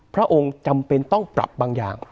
พระองค์จำเป็นต้องปรับบางอย่าง